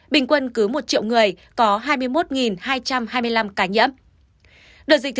bình quân cứ một triệu người